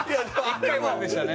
１回まででしたね。